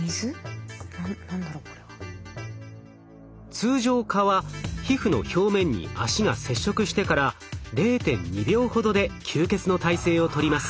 通常蚊は皮膚の表面に脚が接触してから０．２秒ほどで吸血の体勢をとります。